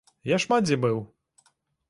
Я шмат, дзе быў.